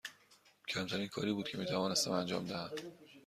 کمترین کاری بود که می توانستم انجام دهم.